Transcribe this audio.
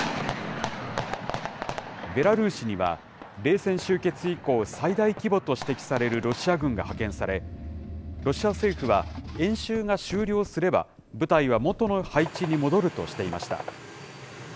ベラルーシには冷戦終結以降、最大規模と指摘されるロシア軍が派遣され、ロシア政府は、演習が終了すれば、部隊は元の配置に戻るとしていました。